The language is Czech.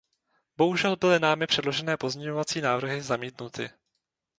Bohužel byly námi předložené pozměňovací návrhy zamítnuty.